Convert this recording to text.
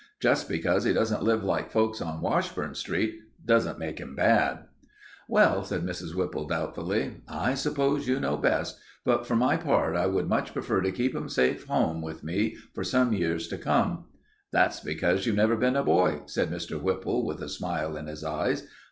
Just because he doesn't live like folks on Washburn Street doesn't make him bad." "Well," said Mrs. Whipple, doubtfully, "I suppose you know best, but for my part I would much prefer to keep them safe home with me, for some years to come." "That's because you've never been a boy," said Mr. Whipple, with a smile in his eyes.